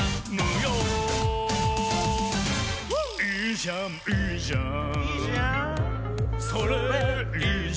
いーじゃん。